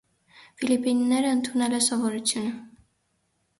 Ֆիլիպինները ընդունել է սովորությունը։